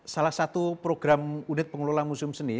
salah satu program unit pengelola museum seni